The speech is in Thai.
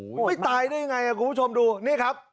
ไม่ตายได้ยังไงคุณผู้ชมดูนี่ครับ